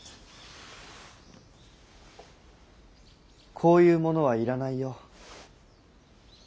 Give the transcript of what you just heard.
こういうものはいらないよ。